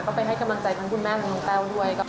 ก็ไปให้กำลังใจทั้งคุณแม่ทั้งน้องแต้วด้วย